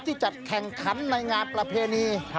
จัดแข่งขันในงานประเพณี